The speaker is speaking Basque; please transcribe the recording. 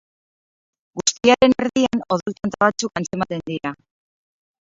Guztiaren erdian, odol tanta batzuk antzematen dira.